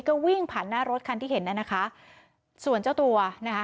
ก็วิ่งผ่านหน้ารถคันที่เห็นน่ะนะคะส่วนเจ้าตัวนะคะ